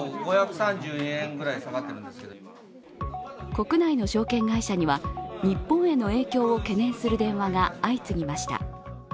国内の証券会社には日本への影響を懸念する電話が相次ぎました。